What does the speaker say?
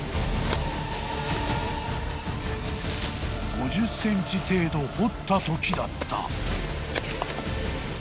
［５０ｃｍ程度掘ったときだった］